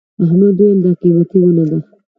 احمد وويل: دا قيمتي ونه ده.